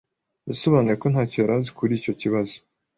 Yasobanuye ko ntacyo yari azi kuri icyo kibazo.